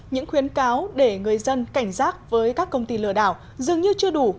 những khuyến cáo để người dân cảnh giác với các công ty lừa đảo dường như chưa đủ